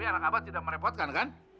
tapi anak abah tidak merepotkan kan